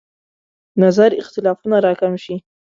نظر اختلافونه راکم شي.